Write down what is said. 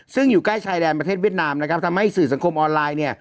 ซึ่งอยู่ใกล้ไทยในประเทศเวียดนามทำให้สื่อสังคมออนไลน์